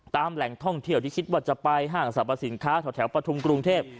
แหล่งท่องเที่ยวที่คิดว่าจะไปห้างสรรพสินค้าแถวปฐุมกรุงเทพ